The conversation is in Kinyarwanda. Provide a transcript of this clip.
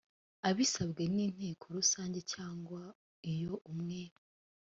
abisabwe n inteko rusange cyangwa iyo umwe